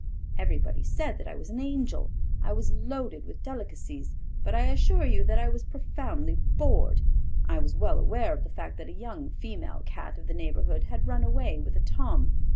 Everybody said I was an angel; I was loaded with delicacies, but I assure you that I was profoundly bored. I was well aware of the fact that a young female Cat of the neighbourhood had run away with a Tom.